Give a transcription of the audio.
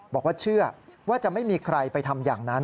บอกว่าเชื่อว่าจะไม่มีใครไปทำอย่างนั้น